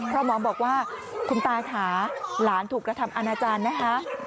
เพราะหมอบอกว่าคุณตาค่ะหลานถูกกระทำอาณาจารย์นะคะ